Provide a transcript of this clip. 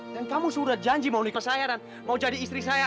dan kamu sudah janji mau nikah sama saya dan mau jadi istri saya